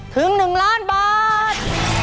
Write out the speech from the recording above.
ถึงหนึ่งล้านบาท